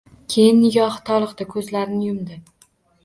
Keyin nigohi toliqdi, ko‘zlarini yumdi.